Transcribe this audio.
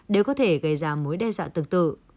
đều có thể gây ra mối đe dọa tương tự